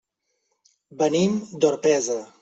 Venim d'Orpesa.